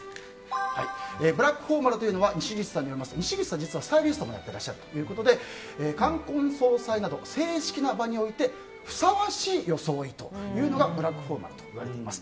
ブラックフォーマルというのはにしぐちさんによりますとにしぐちさん、実はスタイリストもやっていらっしゃるということで冠婚葬祭など正式な場においてふさわしい装いというのがブラックフォーマルといわれています。